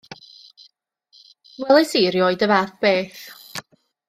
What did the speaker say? Welis i rioed y fath beth.